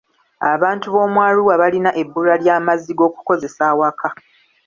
Abantu b'omu Arua balina ebbula ly'amazzi g'okukozesa awaka.